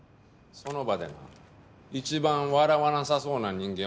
その場でな一番笑わなさそうな人間